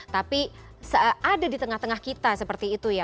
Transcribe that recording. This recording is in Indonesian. tapi ada di tengah tengah kita seperti itu ya